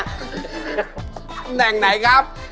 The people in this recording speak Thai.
ตำแหน่งไหนครับ